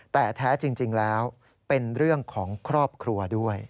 แต่แท้จริงแล้วเป็นเรื่องของครอบครัวด้วย